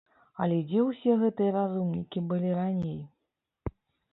Але дзе ўсе гэтыя разумнікі былі раней?